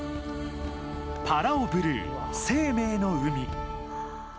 「パラオブルー生命の海」。